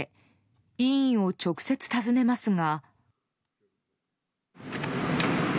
医院を直接訪ねますが。